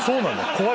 怖い。